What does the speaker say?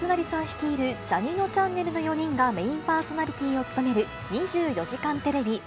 率いるジャにのちゃんねるの４人が、メインパーソナリティーを務める２４時間テレビ。